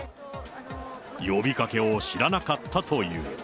呼びかけを知らなかったという。